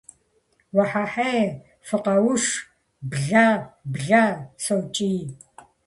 - Уэхьэхьей! Фыкъэуш! Блэ! Блэ! - сокӀий.